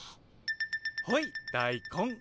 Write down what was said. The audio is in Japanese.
ほい大根。